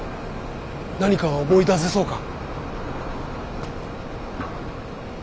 何か思い出せそうか？